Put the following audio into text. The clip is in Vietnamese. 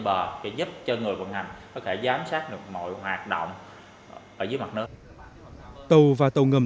bờ để giúp cho người vận hành có thể giám sát được mọi hoạt động ở dưới mặt nớt tàu và tàu ngầm